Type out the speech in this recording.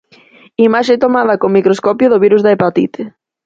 Imaxe tomada con microscopio do virus da hepatite.